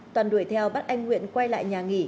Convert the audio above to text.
toàn đuổi theo bắt anh nguyện quay lại nhà nghỉ